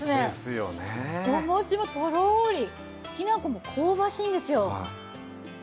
おもちもとろりきな粉も香ばしいんですよ。